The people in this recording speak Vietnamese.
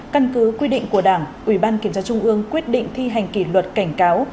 căn cứ quy định của đảng ủy ban kiểm tra trung ương quyết định thi hành kỷ luật cảnh cáo